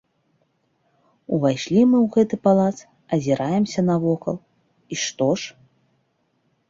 Увайшлі мы ў гэты палац, азіраемся навокал, і што ж?